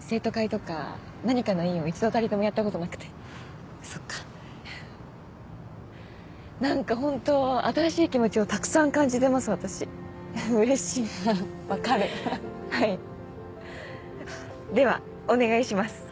生徒会とか何かの委員を一度たりともやったことなくてそっなんか本当新しい気持ちをたくさんうれしいははっわかるはいではお願いします